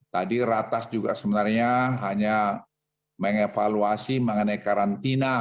tadi ratas juga sebenarnya hanya mengevaluasi mengenai karantina